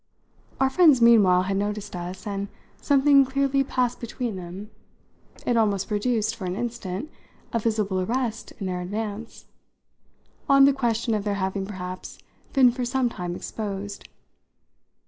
Our friends meanwhile had noticed us, and something clearly passed between them it almost produced, for an instant, a visible arrest in their advance on the question of their having perhaps been for some time exposed.